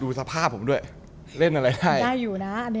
พี่เริ่มมาเป็นอย่างงี้พ่อเป็นอย่างงี้พ่อเป็นอย่างงี้